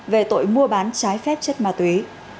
về tội mua bán trái phép chất ma túy